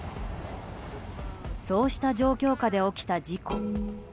そうした状況下で起きた事故。